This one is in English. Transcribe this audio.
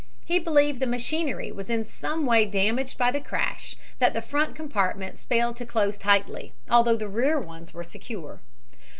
He believed the machinery was in some way so damaged by the crash that the front compartments failed to close tightly, although the rear ones were secure.